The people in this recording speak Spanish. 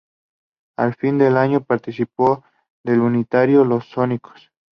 A fin de año participo del unitario Los Sónicos.